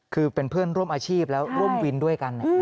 คือเป็นเพื่อนร่วมอาชีพแล้วร่วมวินด้วยกัน